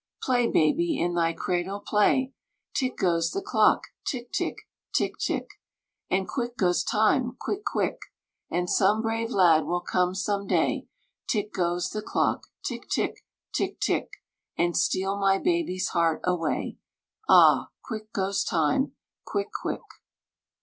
Play, baby, in thy cradle play Tick goes the clock, tick tick, tick tick; And quick goes time, quick, quick! And some brave lad will come some day Tick goes the clock, tick tick, tick tick; And steal my baby's heart away: Ah, quick goes time, quick, quick!